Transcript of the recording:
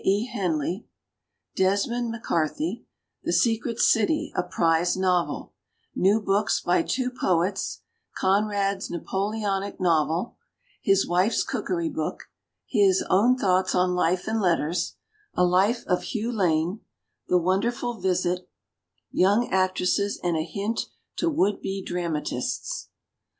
E, Henley — Desmond Mac Carthy — "The Secret City" a Prize Novel— New Books by Two Poets — Conrad's Napoleonic Novel — His Wife's Cookery Book — His Ovm "Thoughts on Life and Letters" — A Life of Hugh Lane — "The Wonderful Visit" — Young Actresses and a Hint to Wouldrbe Dramatists.